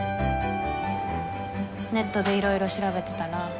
ネットでいろいろ調べてたら。